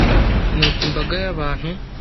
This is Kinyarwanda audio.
nuko imbaga y abantu